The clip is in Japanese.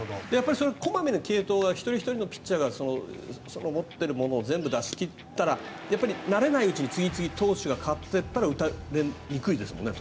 小まめな継投は一人ひとりのピッチャーが持っているものを全部出し切ったら慣れないうちに次々に投手が代わっていったら打たれにくいですよね。